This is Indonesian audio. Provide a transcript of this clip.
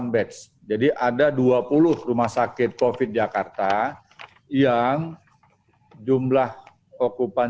delapan bed saja